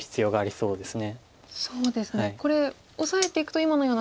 そうですね